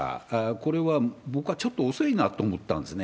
これは、僕はちょっと遅いなと思ったんですね。